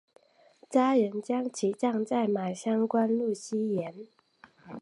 家人将其葬在马乡官路西沿。